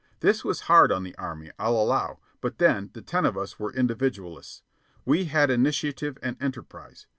This was hard on the Army, I'll allow; but then, the ten of us were individualists. We had initiative and enterprise.